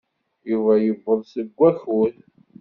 Yuba yuweḍ deg wakud.